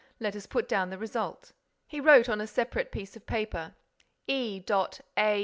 Let us put down the result." He wrote on a separate piece of paper: e . a